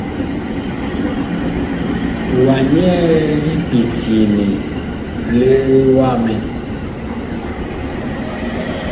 Wa nyɛɛ li pityene li wamɛn.